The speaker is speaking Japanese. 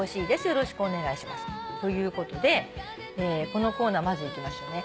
よろしくお願いします」ということでこのコーナーまずいきましょうね。